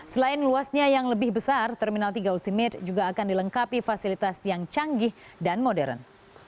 selain luasnya yang lebih besar terminal tiga ultimate juga akan dilengkapi fasilitas yang canggih dan modern